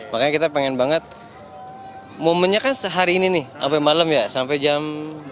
makanya kita pengen banget momennya kan sehari ini nih sampai malam ya sampai jam